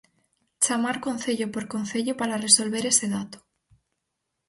Chamar concello por concello para resolver ese dato.